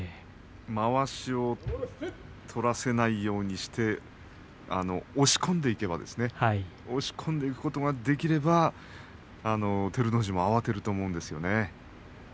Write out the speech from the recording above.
まわしを取らせないようにして押し込んでいくことができれば照ノ富士も慌てると思うんですよね。